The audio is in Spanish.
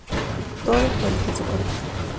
Todo por el precio correcto.